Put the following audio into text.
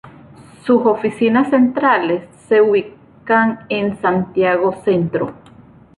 Sus oficinas centrales se ubican en Santiago Centro.